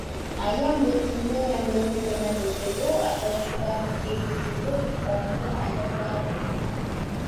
Ayam betina yang belum pernah bertelur atau sudah hampir bertelur dipanggil ayam dara.